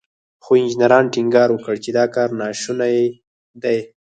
خو انجنيرانو ټينګار وکړ چې دا کار ناشونی دی.